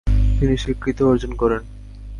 তিনি স্বীকৃতি অর্জন করেন।